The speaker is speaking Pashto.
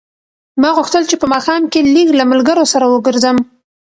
ما غوښتل چې په ماښام کې لږ له ملګرو سره وګرځم.